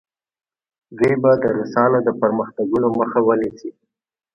دوی به د روسانو د پرمختګونو مخه ونیسي.